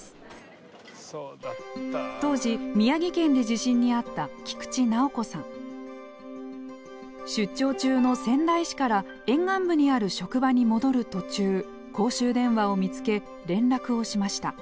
当時宮城県で地震にあった出張中の仙台市から沿岸部にある職場に戻る途中公衆電話を見つけ連絡をしました。